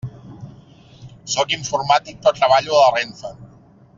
Sóc informàtic, però treballo a la RENFE.